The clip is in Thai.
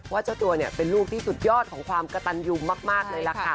ว่าเจ้าตัวเป็นลูกที่สุดยอดของความกะตันยูมมากเลยละค่ะ